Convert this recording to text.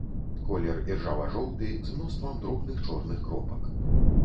Колер іржава-жоўты, з мноствам дробных чорных кропак.